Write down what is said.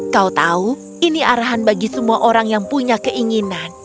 kau tahu ini arahan bagi semua orang yang punya keinginan